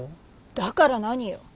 だから何よ！